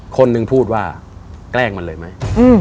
คนหนึ่งพูดว่าแกล้งมันเลยไหม